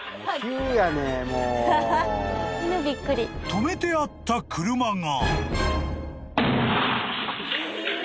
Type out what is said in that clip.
［止めてあった車が］